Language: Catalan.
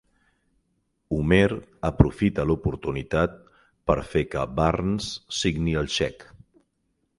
Homer aprofita l'oportunitat per fer que Burns signi el xec.